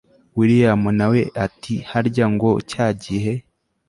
william nawe ati harya ngo cyagihe